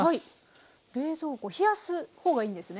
冷やす方がいいんですね？